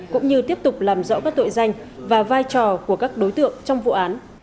cũng như tiếp tục làm rõ các tội danh và vai trò của các đối tượng trong vụ án